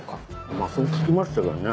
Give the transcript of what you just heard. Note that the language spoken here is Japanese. まぁそう聞きましたけどね。